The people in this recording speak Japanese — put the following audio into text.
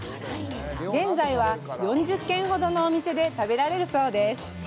現在は４０軒ほどのお店で食べられるそうです。